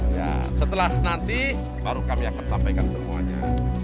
ya setelah nanti baru kami akan sampaikan semuanya